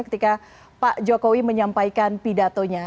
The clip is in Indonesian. ketika pak jokowi menyampaikan pidatonya